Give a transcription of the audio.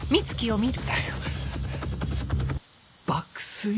爆睡